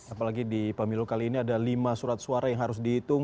apalagi di pemilu kali ini ada lima surat suara yang harus dihitung